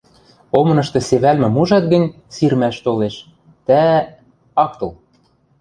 Омынышты севӓлмӹм ужат гӹнь, сирмӓш толеш, тӓ... ак тол.